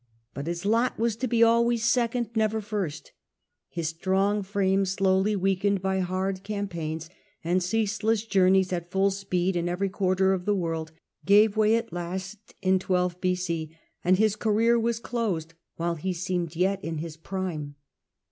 But his lot was to be always second, never first. His strong frame, slowly weakened by hard campaigns and ceaseless journeys at full speed in every quarter of the world, gave (».c la). way at last, and his career was closed while he seemed yet in his prime.